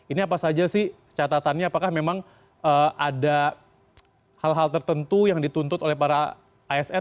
ini apa saja sih catatannya apakah memang ada hal hal tertentu yang dituntut oleh para asn